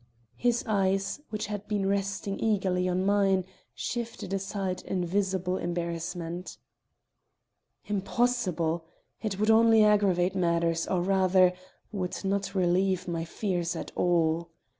His eyes, which had been resting eagerly on mine, shifted aside in visible embarrassment. "Impossible! It would only aggravate matters, or rather, would not relieve my fears at all.